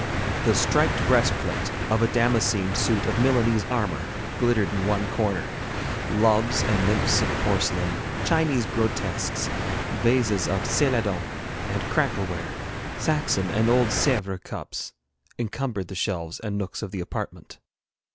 The striped breastplate of a damascened suit of Milanese armour glittered in one corner; loves and nymphs of porcelain, Chinese grotesques, vases of céladon and crackleware, Saxon and old Sèvres cups encumbered the shelves and nooks of the apartment.